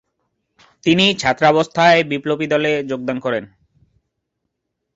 তিনি ছাত্রাবস্থায় বিপ্লবী দলে যোগদান করেন।